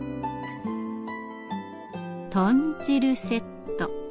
豚汁セット。